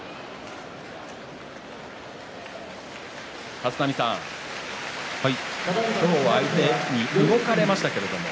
立浪さん、今日相手に動かれましたけどもね。